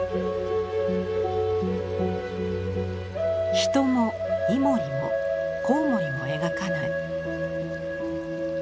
人もイモリも蝙蝠も描かない。